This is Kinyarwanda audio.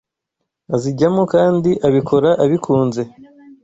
azijyamo kandi abikora abikunze